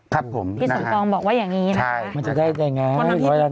ครับผมนะฮะใช่มันจะได้อย่างไรร้อยล้านบาท